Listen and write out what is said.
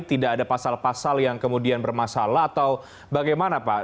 tidak ada pasal pasal yang kemudian bermasalah atau bagaimana pak